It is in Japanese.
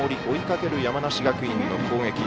追いかける山梨学院の攻撃。